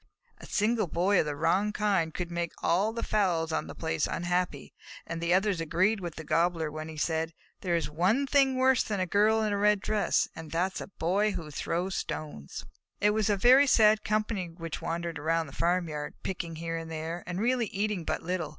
A single Boy of the wrong kind could make all the fowls on the place unhappy, and the others agreed with the Gobbler when he said, "There is one thing worse than a Girl in a red dress, and that is a Boy who throws stones." It was a very sad company which wandered around the farmyard, picking here and there, and really eating but little.